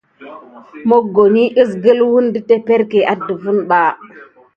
Mokoni kiskule wune de epəŋle misa wuvere ɓa askilan.